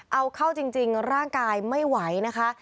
เอาเข้าจริงร่างกายไม่ไหวนะคะ